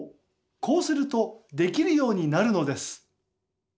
こうするとできるようになるのです。